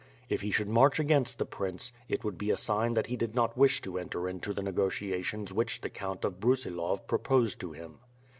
If he should march against the Prince, it would be a sign that he did not wish to enter into the negotiations which the Count of Brusilov proposed to him.